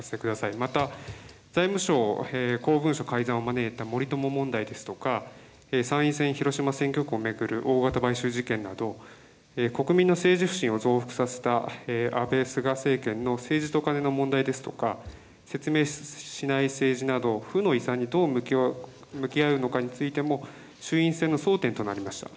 また、財務省公文書改ざんを招いた森友問題ですとか、参院選広島選挙区を巡る大型買収事件など、国民の政治不信を増幅させた安倍・菅政権の政治とカネの問題ですとか、説明しない政治など、負の遺産にどう向き合うのかについても、衆院選の争点となりました。